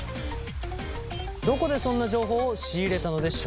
どこでそんな情報を仕入れたのでしょうか？